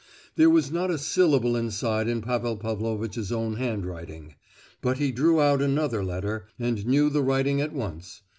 There was not a syllable inside in Pavel Pavlovitch's own hand writing; but he drew out another letter, and knew the writing at once.